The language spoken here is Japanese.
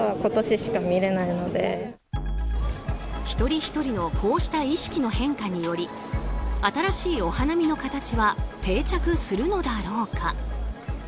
一人ひとりのこうした意識の変化により新しいお花見の形は定着するのだろうか。